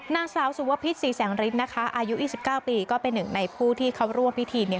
นางสาวสุวพิษศรีแสงฤทธินะคะอายุ๒๙ปีก็เป็นหนึ่งในผู้ที่เขาร่วมพิธีเนี่ย